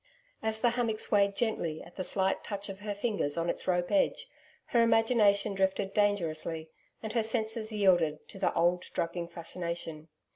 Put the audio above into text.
As the hammock swayed gently at the slight touch of her fingers on its rope edge, her imagination drifted dangerously and her senses yielded to the old drugging fascination.